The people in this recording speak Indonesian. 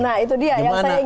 nah itu dia yang saya ingin